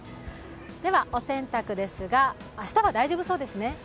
では、お洗濯ですが、明日は大丈夫そうですね。